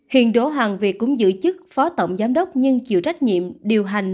hiện đỗ hoàng việt cũng giữ chức phó tổng giám đốc nhưng chịu trách nhiệm điều hành